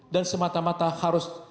dan semata mata harus